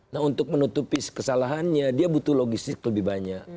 nah untuk menutupi kesalahannya dia butuh logistik lebih banyak